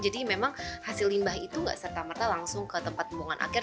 jadi memang hasil limbah itu gak serta merta langsung ke tempat pembuangan akhir